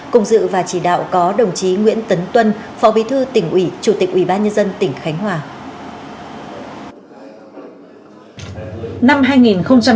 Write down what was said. cùng dự và chỉ đạo có đồng chí nguyễn tấn tuân phó bí thư tỉnh ủy chủ tịch ủy ban nhân dân tỉnh khánh hòa